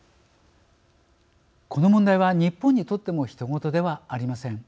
この問題は日本にとってもひと事ではありません。